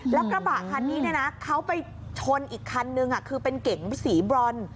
แล้วกระบะคันนี้เขาไปชนอีกคันนึงคือเป็นเก๋งสีบรอน